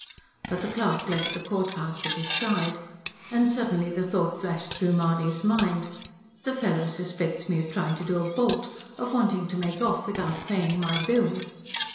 But the clerk left the courthouse at his side. And suddenly the thought flashed through Mahony's mind: "The fellow suspects me of trying to do a bolt of wanting to make off without paying my bill!"